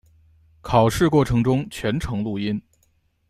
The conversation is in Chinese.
考试过程中全程录音。